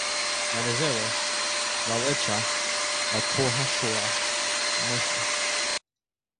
Wadizera w'aw'echa ukaghusha meso.